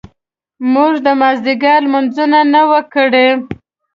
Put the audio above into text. موږ د مازیګر لمونځونه نه وو کړي.